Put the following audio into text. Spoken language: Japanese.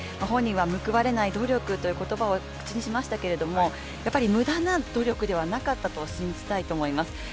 本人は「報われない努力」という言葉を口にしましたけども無駄な努力ではなかったと信じたいと思います。